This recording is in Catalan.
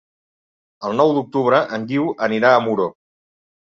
El nou d'octubre en Guiu anirà a Muro.